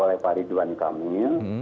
oleh pak ridwan kamil